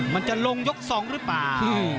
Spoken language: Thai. มันจะลงยก๒หรือเปล่า